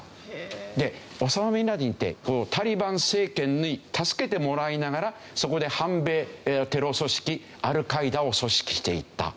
でオサマ・ビンラディンってタリバン政権に助けてもらいながらそこで反米テロ組織アルカイダを組織していった。